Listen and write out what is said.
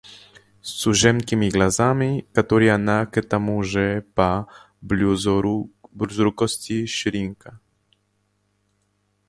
с узенькими глазами, которые она к тому же по близорукости щурила,